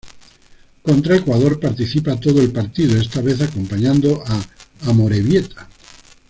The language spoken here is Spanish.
Contra Ecuador participa todo el partido, esta vez acompañando a Amorebieta.